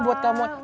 udah udah kamu aja